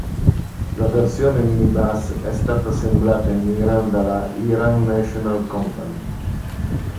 La versione minibus è stata assemblata in Iran dalla Iran National Company.